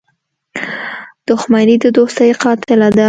• دښمني د دوستۍ قاتله ده.